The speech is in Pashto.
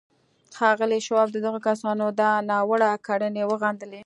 ښاغلي شواب د دغو کسانو دا ناوړه کړنې وغندلې